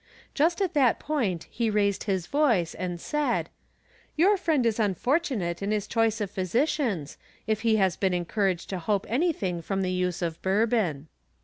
Just at that point he raised his voice and said :" Your friend is unfortunate in his choice of physicians, if he has been encouraged to hope anything from the use of bourbon."